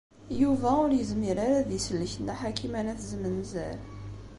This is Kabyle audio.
Yuba ur yezmir ara ad isellek Nna Ḥakima n At Zmenzer.